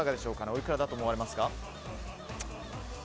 おいくらだと思われますか？